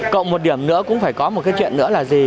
cộng một điểm nữa cũng phải có một cái chuyện nữa là gì